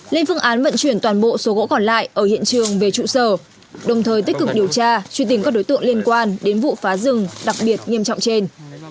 lên phương án vận chuyển toàn bộ số gỗ còn lại ở hiện trường về trụ sở đồng thời tích cực điều tra truy tìm các đối tượng liên quan đến vụ phá rừng đặc biệt nghiêm trọng trên